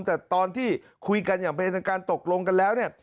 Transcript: แต่ตอนที่คุยกันอย่างเป็นทางการตกลงกันแล้วเนี่ย